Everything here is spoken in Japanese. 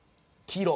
黄色。